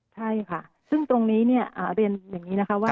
ใช่ค่ะซึ่งตรงนี้เนี่ยเรียนอย่างนี้นะคะว่า